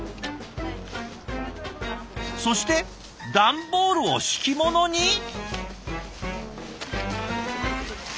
そして段ボールを敷物に？